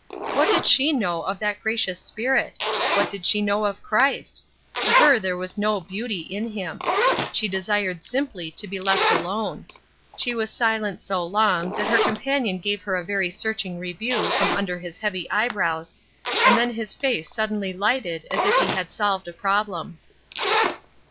What did she know of that gracious Spirit? What did she know of Christ? To her there was no beauty in him. She desired simply to be left alone. She was silent so long that her companion gave her a very searching review from under his heavy eyebrows, and then his face suddenly lighted as if he had solved a problem.